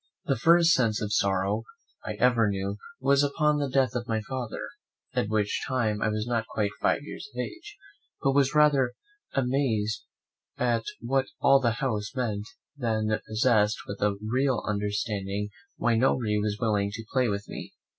The first sense of sorrow I ever knew was upon the death of my father, at which time I was not quite five years of age; but was rather amazed at what all the house meant than possessed with a real understanding why nobody was willing to play with me.